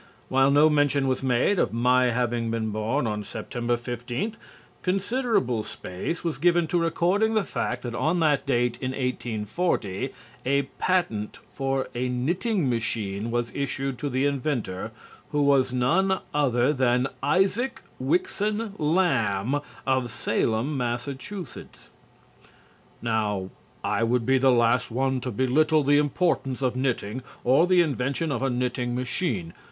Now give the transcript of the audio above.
While no mention was made of my having been born on Sept. 15, considerable space was given to recording the fact that on that date in 1840 a patent for a knitting machine was issued to the inventor, who was none other than Isaac Wixan Lamb of Salem, Mass. Now I would be the last one to belittle the importance of knitting or the invention of a knitting machine.